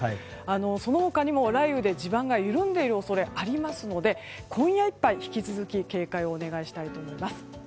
その他には雷雨で地盤が緩んでいる恐れがありますので今夜いっぱい、引き続き警戒をお願いしたいと思います。